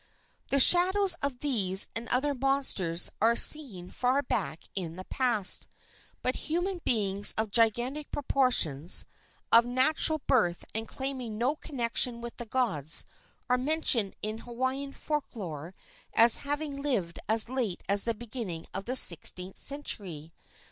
The shadows of these and other monsters are seen far back in the past; but human beings of gigantic proportions, of natural birth and claiming no connection with the gods, are mentioned in Hawaiian folk lore as having lived as late as the beginning of the sixteenth century.